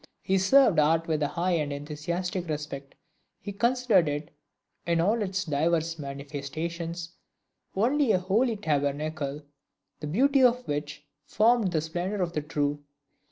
He served Art with a high and enthusiastic respect; he considered it, in all its divers manifestations, only a holy tabernacle, "the Beauty of which formed the splendor of the True."